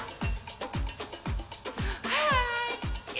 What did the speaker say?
はい！